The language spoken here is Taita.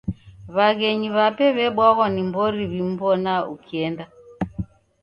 W'aghenyu w'ape w'ebwaghwa ni mbori w'imbona ukienda.